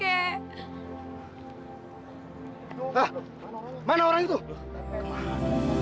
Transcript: hah mana orang itu tuh